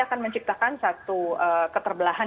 akan menciptakan satu keterbelahan